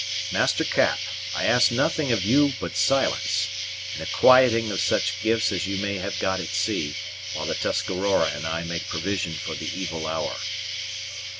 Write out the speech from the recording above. Master Cap, I ask nothing of you but silence, and a quieting of such gifts as you may have got at sea, while the Tuscarora and I make provision for the evil hour."